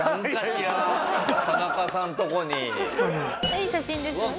いい写真ですよね。